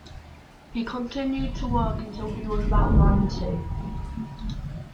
He continued to work until he was about ninety.